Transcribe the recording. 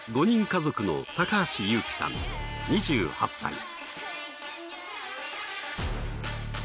５人家族の高橋優希さん２８歳。